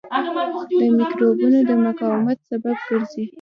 د مکروبونو د مقاومت سبب ګرځي.